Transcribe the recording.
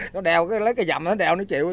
nó đeo cái dầm nó đeo nó chịu